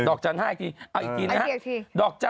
ดอกจัน๕อีกทีเอาอีกทีนะฮะ